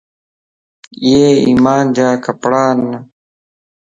ايي ايمان جا ڪپڙان